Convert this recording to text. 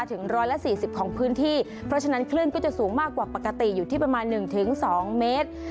ถึง๑๔๐ของพื้นที่เพราะฉะนั้นคลื่นก็จะสูงมากกว่าปกติอยู่ที่ประมาณ๑๒เมตร